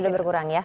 sudah berkurang ya